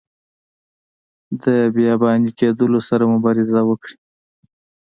د بیاباني کیدلو سره مبارزه وکړي.